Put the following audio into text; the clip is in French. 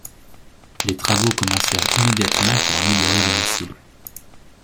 Les travaux commencèrent immédiatement pour améliorer le missile.